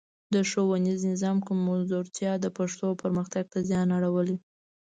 د ښوونیز نظام کمزورتیا د پښتو پرمختګ ته زیان اړولی.